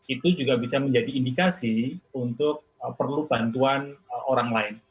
itu juga bisa menjadi indikasi untuk perlu bantuan orang lain